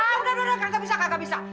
ah udah udah gak bisa kak gak bisa